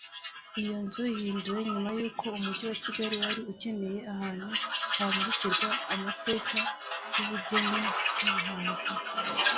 Iyo nzu ihinduwe nyuma y’uko Umujyi wa Kigali wari ukeneye ahantu hamurikirwa amateka y’ubugeni n’ubuhanzi